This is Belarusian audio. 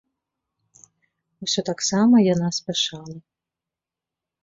Усё таксама яна спяшала.